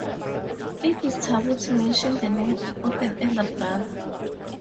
It is taboo to mention the name of an elder brother.